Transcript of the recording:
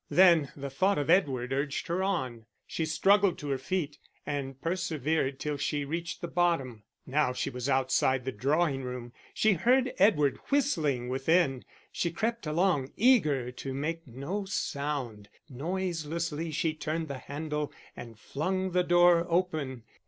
Then the thought of Edward urged her on. She struggled to her feet, and persevered till she reached the bottom. Now she was outside the drawing room, she heard Edward whistling within. She crept along, eager to make no sound; noiselessly she turned the handle and flung the door open.